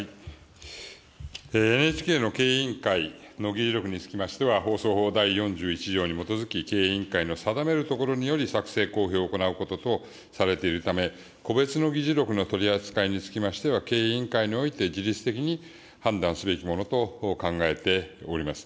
ＮＨＫの経営委員会の議事録につきましては、放送法第４１条に基づき、経営委員会の定めるところにより作成、公表を行うこととされているため、個別の議事録の取り扱いにつきましては、経営委員会において自律的に判断すべきものと考えております。